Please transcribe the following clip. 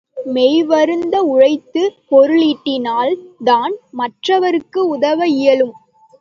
மெய்வருந்த உழைத்துப் பொருளீட்டினால் தான் மற்றவர்க்கு உதவ இயலும்.